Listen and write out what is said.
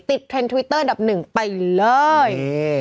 เทรนด์ทวิตเตอร์อันดับหนึ่งไปเลย